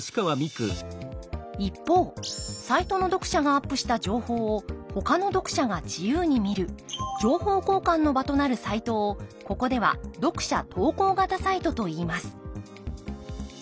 一方サイトの読者がアップした情報をほかの読者が自由に見る情報交換の場となるサイトをここでは読者投稿型サイトといいます